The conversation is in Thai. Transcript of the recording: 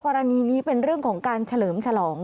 กรณีนี้เป็นเรื่องของการเฉลิมฉลอง